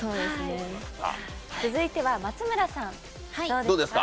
続いては松村さんどうですか？